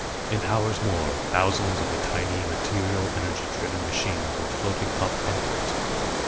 In hours more, thousands of the tiny, material energy driven machines were floating up and out.